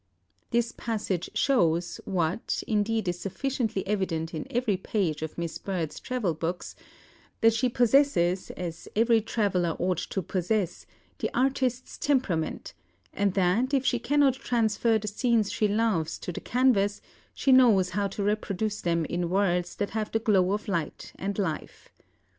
This passage shows what, indeed, is sufficiently evident in every page of Miss Bird's travel books that she possesses, as every traveller ought to possess, the artist's temperament, and that if she cannot transfer the scenes she loves to the canvas, she knows how to reproduce them in words that have the glow of light and life.